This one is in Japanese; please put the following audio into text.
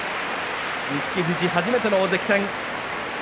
錦富士、初めての大関戦。